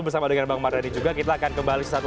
bersama dengan bang mardani juga kita akan kembali